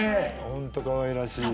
本当かわいらしい。